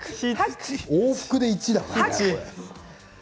往復で１だから。